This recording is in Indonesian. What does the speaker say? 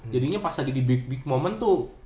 jadinya pas lagi di big big momen tuh